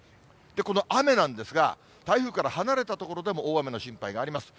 この雨なんですが、台風から離れた所でも大雨の心配があります。